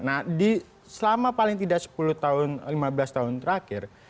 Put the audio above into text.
nah selama paling tidak sepuluh tahun lima belas tahun terakhir